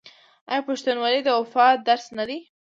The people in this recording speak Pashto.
آیا پښتونولي د وفا درس نه دی؟